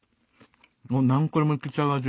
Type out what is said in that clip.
もう何個でもいけちゃう味。